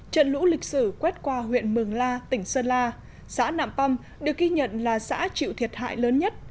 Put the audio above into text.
trận lũ lịch sử quét qua huyện mường la tỉnh sơn la xã nạm păm được ghi nhận là xã chịu thiệt hại lớn nhất